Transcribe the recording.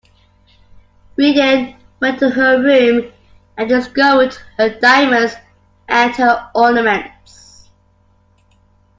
We then went to her room and discovered her diamonds and her ornaments.